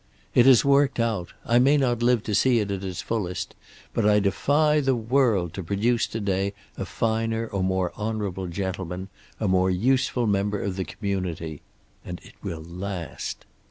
"It has worked out. I may not live to see it at its fullest, but I defy the world to produce today a finer or more honorable gentleman, a more useful member of the community. And it will last.